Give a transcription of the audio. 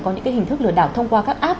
có những hình thức lừa đảo thông qua các app